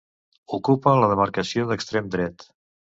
Ocupa la demarcació d'extrem dret.